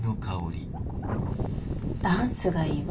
ダンスがいいわ。